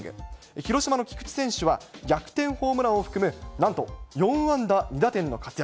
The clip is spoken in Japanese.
広島の菊池選手は逆転ホームランを含むなんと４安打２打点の活躍。